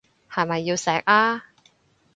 係咪要錫啊？